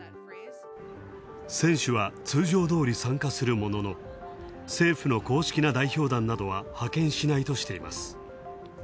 選手は通常通り参加するものの政府の公式な代表団などは派遣しないとしています。